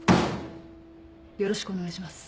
よろしくお願いします。